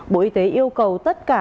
bộ y tế yêu cầu tất cả